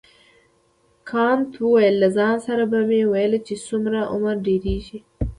کانت وویل له ځان سره به مې ویل چې څومره عمر ډیریږي.